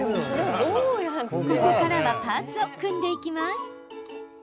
ここからはパーツを組んでいきます。